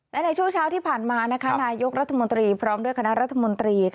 และในช่วงเช้าที่ผ่านมานายกรัฐมนตรีพร้อมด้วยคณะรัฐมนตรี